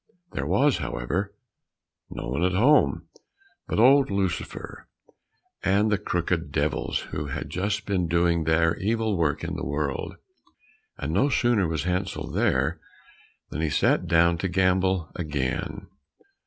There was, however, no one at home but old Lucifer and the crooked devils who had just been doing their evil work in the world. And no sooner was Hansel there than he sat down to gamble again.